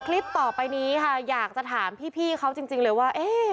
คลิปต่อไปนี้ค่ะอยากจะถามพี่เขาจริงเลยว่า